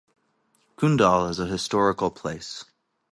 Kundal is a historical place.